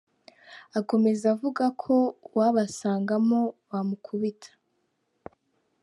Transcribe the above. Akomeza avuga ko uwabasangamo bamukubita.